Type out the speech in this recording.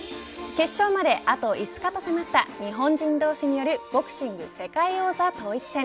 決勝まであと５日と迫った日本人同士によるボクシング世界王座統一戦。